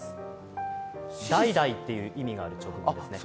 代々という意味がある言葉ですね。